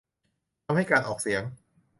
ทำให้การออกเสียง